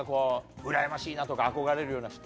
うらやましいなとか憧れるような人。